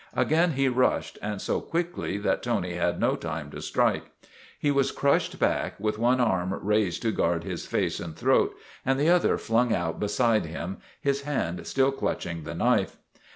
Again he rushed, and so quickly that Tony had no time to strike. He was crushed back, with one arm raised to guard his face and throat, and the other flung out beside him, his hand still clutching the knife.